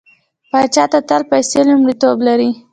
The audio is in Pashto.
پاچا ته تل پيسه لومړيتوب لري.